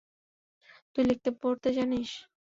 তুই লিখতে-পড়তে জানিস?